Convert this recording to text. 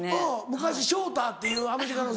昔ショーターっていうアメリカの選手。